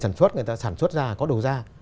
sản xuất người ta sản xuất ra có đầu ra